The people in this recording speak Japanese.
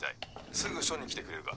すぐ署に来てくれるか。